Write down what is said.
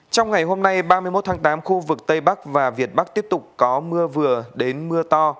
trong ngày hôm nay ba mươi một tháng tám khu vực tây bắc và việt bắc tiếp tục có mưa vừa đến mưa to